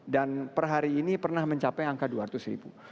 per hari ini pernah mencapai angka dua ratus ribu